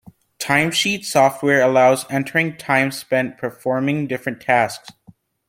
Timesheet software allows entering time spent performing different tasks.